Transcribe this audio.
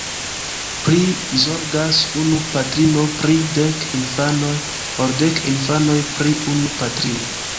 Pli zorgas unu patrino pri dek infanoj, ol dek infanoj pri unu patrino.